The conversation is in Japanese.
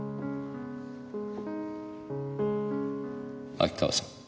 秋川さん